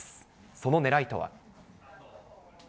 そのねらいとは。